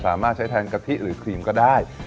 สามารถใช้แทนกะทิหรือครีมก็ได้